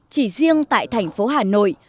chỉ riêng tại thành phố hà nội